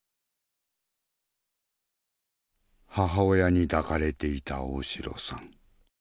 母親に抱かれていた大城さん。